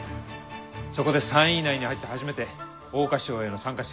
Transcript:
そこで３位以内に入って初めて桜花賞への参加資格が得られる。